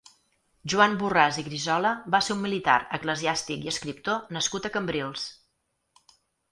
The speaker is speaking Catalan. Joan Borràs i Grisola va ser un militar, eclesiàstic i escriptor nascut a Cambrils.